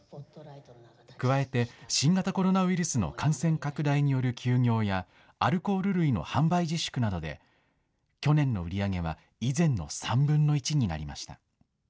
加えて、新型コロナウイルスの感染拡大による休業や、アルコール類の販売自粛などで、去年の売り上げは以前の３分の１になりました。